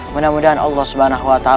mudah mudahan allah swt